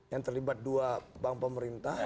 yang terlibat dua bank pemerintah